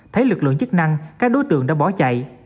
thấy lực lượng chức năng các đối tượng đã bỏ chạy